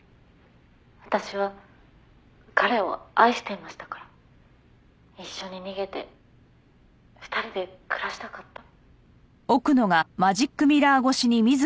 「私は彼を愛していましたから」「一緒に逃げて２人で暮らしたかった」